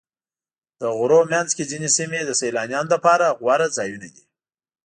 د غرونو منځ کې ځینې سیمې د سیلانیانو لپاره غوره ځایونه دي.